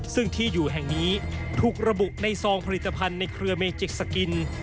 ซึ่งที่อยู่แห่งนี้ถูกระบุในซองผลิตภัณฑ์ในเครือเมจิกสกิน